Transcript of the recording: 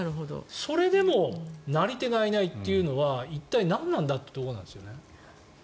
それでもなり手がいないというのは一体何なんだというところなんですよね。